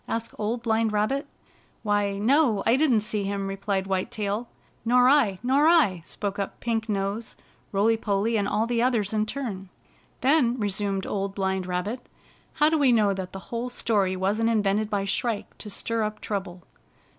asked Old Blind Rabbit. "Why, no, I didn't see him," replied White Tail. " Nor II Nor I !" spoke up Pink Nose, Roily Polly, and all the others in turn. " Then," resumed Old Blind Rabbit, "how do we know that the whole story wasn't invented by Shrike to stir up trouble?"